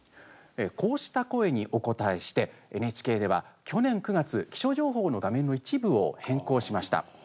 こうした声にお応えしてＮＨＫでは去年９月気象情報の画面の一部を変更しました。